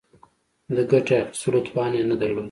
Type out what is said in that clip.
د ګټې اخیستلو توان نه درلود.